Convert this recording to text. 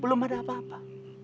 belum ada apa apa